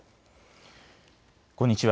こんにちは。